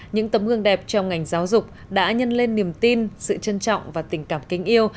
những tấm gương đẹp trong ngành giáo dục đã nhân lên niềm tin sự trân trọng và tình cảm kính yêu